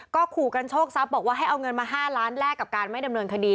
ก็ขู่กันโชคทรัพย์บอกว่าให้เอาเงินมา๕ล้านแลกกับการไม่ดำเนินคดี